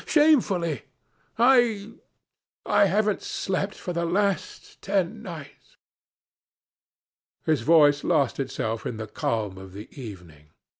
Shamefully! I I haven't slept for the last ten nights. ...' "His voice lost itself in the calm of the evening.